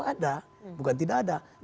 ada bukan tidak ada